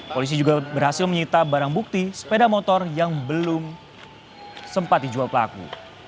polisi juga berhasil menyita barang bukti sepeda motor yang belum sempat dijual pelaku